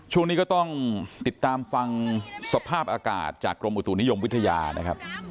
ช่วงนี้ก็ต้องติดตามฟังสภาพอากาศจากกรมอุตุนิยมวิทยานะครับ